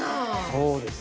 そうです。